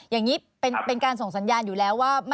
อย่างนี้เป็นการส่งสัญญาณอยู่แล้วว่า